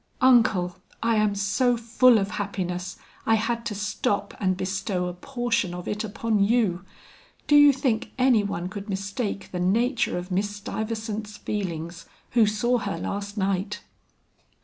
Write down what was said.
"Uncle, I am so full of happiness, I had to stop and bestow a portion of it upon you. Do you think any one could mistake the nature of Miss Stuyvesant's feelings, who saw her last night?"